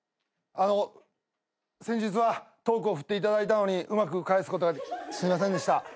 あの先日はトークを振っていただいたのにうまく返すことがすいませんでした。